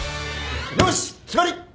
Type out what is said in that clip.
よし決まり！